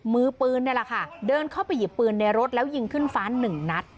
มือปืนนี่แหละค่ะเดินเข้าไปหยิบปืนในรถแล้วยิงขึ้นฟ้าหนึ่งนัด